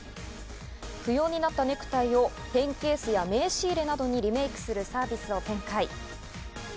不要になったネクタイをペンケースや名刺入れなどにリメイクするサービスを展開。